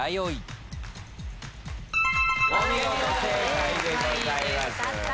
お見事正解でございます。